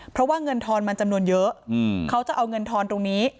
เพราะว่าเงินทอนมันจำนวนเยอะเขาจะเอาเงินทอนตรงนี้